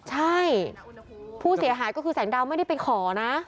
ใช่ผู้เสียหายก็คือแสงดาวไม่ได้ไปขอนะ